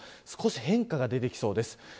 少し変化が出てきそうです。